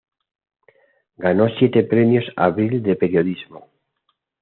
Ganó siete premios "Abril" de Periodismo.